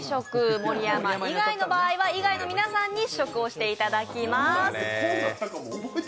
盛山以外の場合は以外の皆さんに試食をしていただきます。